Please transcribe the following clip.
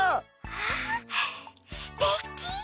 あすてき！